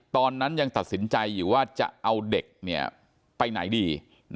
ตอนนั้นยังตัดสินใจอยู่ว่าจะเอาเด็กไปไหนดี